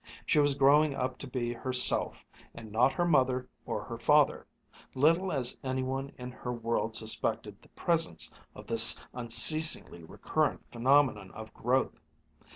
She was growing up to be herself, and not her mother or her father, little as any one in her world suspected the presence of this unceasingly recurrent phenomenon of growth.